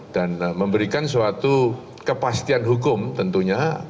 dan memberikan suatu kepastian hukum tentunya